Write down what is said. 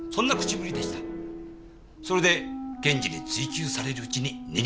それで検事に追及されるうちに逃げ道を見つけた。